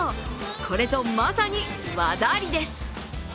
これぞまさに技ありです。